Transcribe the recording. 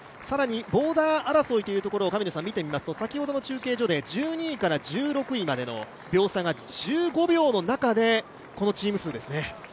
ボーダー争いを見てみますと先ほどの中継所で１２位から１６位までの秒差が１５秒の中でこのチーム数ですね。